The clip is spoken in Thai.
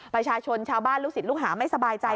ประชาชนชาวบ้านลูกศิษย์ลูกหาไม่สบายใจ